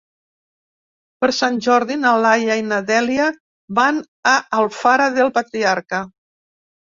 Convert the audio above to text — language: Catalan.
Per Sant Jordi na Laia i na Dèlia van a Alfara del Patriarca.